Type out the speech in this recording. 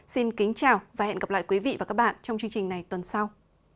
xin kính chào và hẹn gặp lại quý vị và các bạn trong chương trình này tuần sau